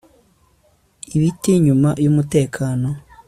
ibiti nyuma yumutekano